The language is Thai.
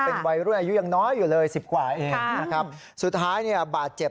เป็นวัยรุ่นอายุยังน้อยอยู่เลยสิบกว่าเองนะครับสุดท้ายเนี่ยบาดเจ็บ